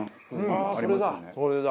ああそれだ！